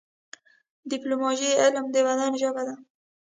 د پیتالوژي علم د بدن ژبه ده.